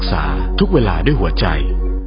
มีเวลาได้หัวใจ